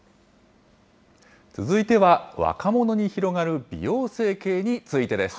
続いては若者に広がる美容整形についてです。